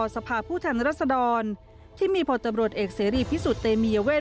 สภาพผู้แทนรัศดรที่มีพลตำรวจเอกเสรีพิสุทธิ์เตมียเวท